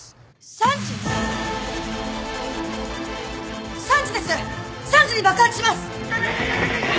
３時に爆発します！